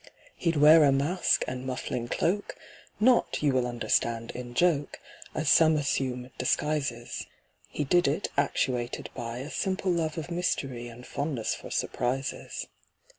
He'd wear a mask and muffling cloak, Not, you will understand, in joke, As some assume disguises; He did it, actuated by A simple love of mystery And fondness for surprises.